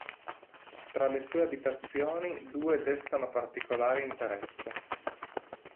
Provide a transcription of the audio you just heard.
Tra le sue abitazioni due destano particolare interesse.